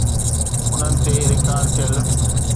انهن تي رڪارڊ ٿيل.